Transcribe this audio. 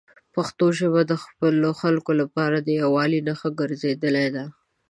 پښتو ژبه د خپلو خلکو لپاره د یووالي نښه ګرځېدلې ده.